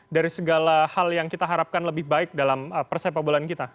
dari segala hal yang kita harapkan lebih baik dalam persepak bolaan kita